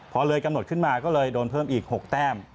พอเลยกำหนดขึ้นมาก็เลยโดนเพิ่มอีก๖แต้ม